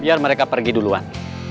biar mereka pergi duluan